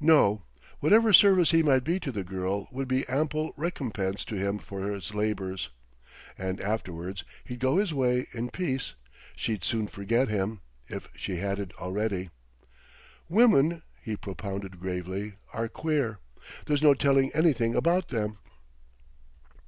No; whatever service he might be to the girl would be ample recompense to him for his labors. And afterwards, he'd go his way in peace; she'd soon forget him if she hadn't already. Women (he propounded gravely) are queer: there's no telling anything about them!